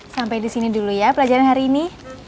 sampai disini dulu ya pelajaran hari ini